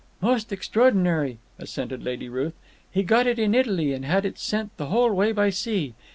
"Most extraordinary," assented Lady Ruth. "He got it in Italy and had it sent the whole way by sea.